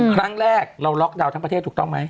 ครั้งแรกเราล็อกดาวน์ทั้งประเทศถูกต้องไหม